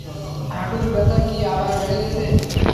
হাঁটুর ব্যাথা কী আবার বেড়ে গেছে?